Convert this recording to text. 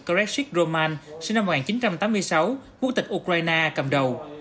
karekshik roman sinh năm một nghìn chín trăm tám mươi sáu quốc tịch ukraine cầm đầu